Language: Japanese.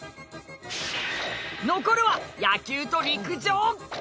残るは野球と陸上！